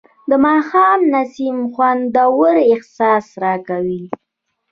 د ماښام نسیم خوندور احساس راکوي